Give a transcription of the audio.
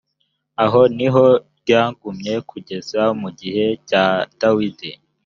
aho ni ho ryagumye kugeza mu gihe cya dawidi